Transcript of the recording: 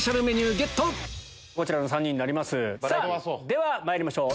ではまいりましょう。